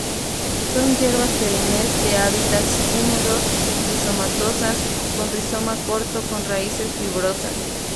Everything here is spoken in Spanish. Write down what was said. Son hierbas perennes de hábitats húmedos, rizomatosas, con rizoma corto, con raíces fibrosas.